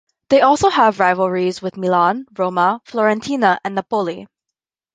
They also have rivalries with Milan, Roma, Fiorentina and Napoli.